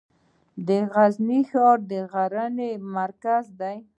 د غزني ښار د غزني مرکز دی